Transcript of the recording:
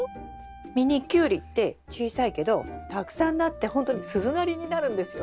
ミニキュウリって小さいけどたくさんなってほんとに鈴なりになるんですよ。